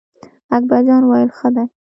اکبر جان وویل: ښه دی.